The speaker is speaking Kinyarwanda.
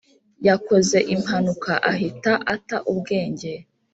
yakoze impanuka ahita ata ubwenge